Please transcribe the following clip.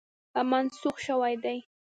منسوخ شوی دی.